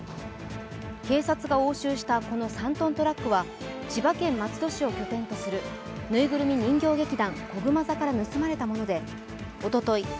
警察が押収したこの３ｔトラックは千葉県松戸市を拠点とするぬいぐるみ人形劇団こぐま座から盗まれたものでおととい